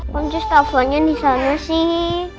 pokoknya kondis telponnya disana sih